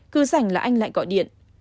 cứ rảnh là anh lại gọi điện